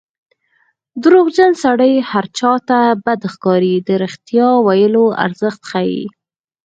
دروغجن سړی هر چا ته بد ښکاري د رښتیا ویلو ارزښت ښيي